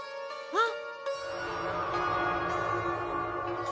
あっ。